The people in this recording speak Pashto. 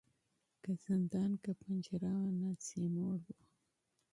که زندان که پنجره وه نس یې موړ وو